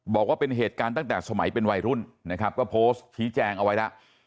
บอกว่าเป็นเหตุการณ์ตั้งแต่สมัยเป็นวัยรุ่นนะครับก็โพสต์ชี้แจงเอาไว้แล้ว